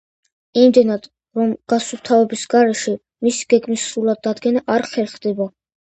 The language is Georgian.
იმდენად, რომ გასუფთავების გარეშე, მისი გეგმის სრულად დადგენა არ ხერხდება.